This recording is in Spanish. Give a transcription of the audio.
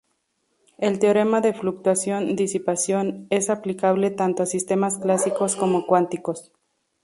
El teorema de fluctuación-disipación es aplicable tanto a sistemas clásicos como cuánticos.